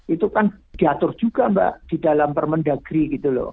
itu kan diatur juga mbak di dalam permendagri gitu loh